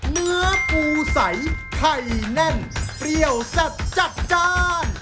เนื้อปูใสไข่แน่นเปรี้ยวแซ่บจัดจ้าน